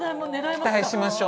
期待しましょう。